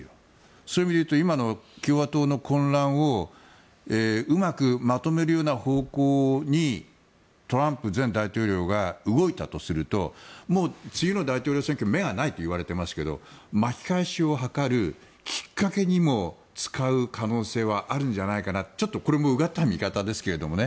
そうすると、今の共和党の混乱をうまくまとめるような方向にトランプ前大統領が動いたとするともう次の大統領選挙は目がないといわれてますが巻き返しを図るきっかけにも使う可能性はあるんじゃないかなとちょっとこれもうがった見方ですけれどね